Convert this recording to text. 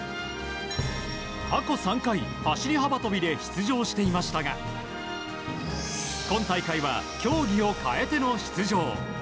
過去３回走り幅跳びで出場していましたが今大会は競技を変えての出場。